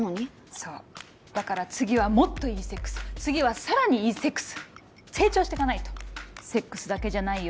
そうだから次はもっといいセックス次はさらにいいセックス成長してかないとセックスだけじゃないよ